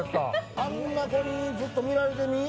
あんな子にずっと見られてみ。